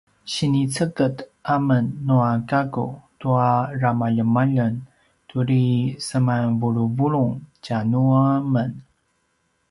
siniceged amen nua gakku tua ramaljemaljeng turi semanvuluvulung tja nu amen